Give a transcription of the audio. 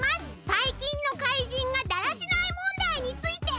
「さいきんの怪人がだらしない問題について」！